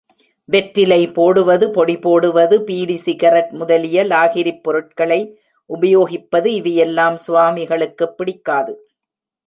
வெற்றிலை போடுவது, பொடி போடுவது, பீடி சிகரெட் முதலிய லாகிரிப் பொருட்களை உபயோகிப்பது இவை யெல்லாம் சுவாமிகளுக்குப் பிடிக்காது.